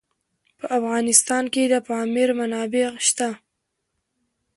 په افغانستان کې د پامیر منابع شته.